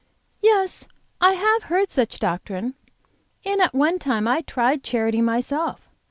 "Yes, I have heard such doctrine, and at one time I tried charity myself.